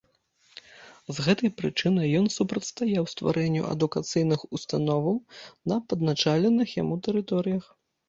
З гэтай прычыны ён супрацьстаяў стварэнню адукацыйных установаў на падначаленых яму тэрыторыях.